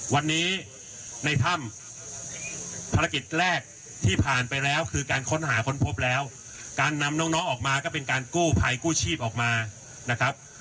วันนี้ในถ้ำภารกิจแรกที่ผ่านไปแล้วคือการค้นหาค้นพบแล้วการนำน้องออกมาก็เป็นการกู้ภัยกู้ชีพออกมานะครับ